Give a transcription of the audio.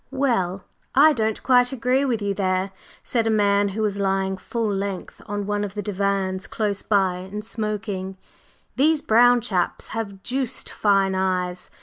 "Well, I don't quite agree with you there," said a man who was lying full length on one of the divans close by and smoking. "These brown chaps have deuced fine eyes.